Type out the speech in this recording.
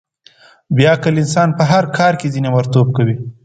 بې عقل انسانان په هر کار کې ځناورتوب کوي.